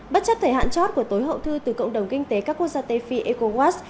bất chấp thời hạn chót của tối hậu thư từ cộng đồng kinh tế các quốc gia tây phi ecowas